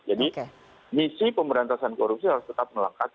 jadi misi pemberantasan korupsi harus tetap melekat